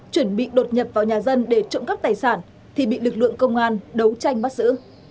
chuẩn bị đột nhập vào nhà dân để trộm cắp tài sản thì bị lực lượng công an đấu tranh bắt giữ